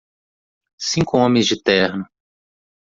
Cinco homens de terno.